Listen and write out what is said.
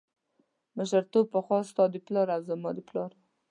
مشرتوب پخوا ستا د پلار او زما د پلار و.